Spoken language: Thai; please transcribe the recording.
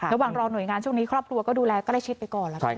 ระหว่างรอหน่วยงานช่วงนี้ครอบครัวก็ดูแลใกล้ชิดไปก่อนแล้วกัน